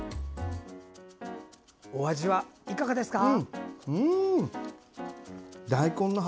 お味はいかがですか？